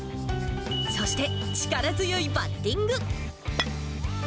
そして、力強いバッティング。